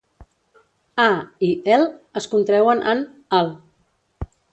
"A" i "el" es contreuen en "al".